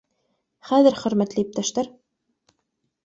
Хәҙер, хөрмәтле иптәштәр